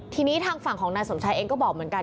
ทีนี้ทางฝั่งของนายสมชายเองก็บอกเหมือนกัน